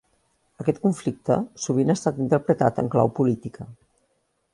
Aquest conflicte sovint ha estat interpretat en clau política.